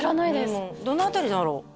名門どの辺りだろう？